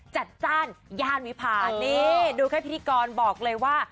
จ้านย่านวิพานี่ดูแค่พิธีกรบอกเลยว่า